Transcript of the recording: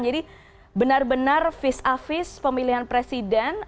jadi benar benar vis a vis pemilihan presiden